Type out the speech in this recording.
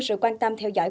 sự quan tâm theo dõi